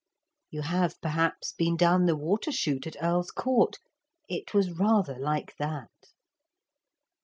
You have perhaps been down the water chute at Earl's Court? It was rather like that.